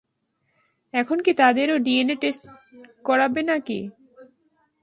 এখন কী তাদেরও ডিএনএ টেস্ট করাবে নাকি?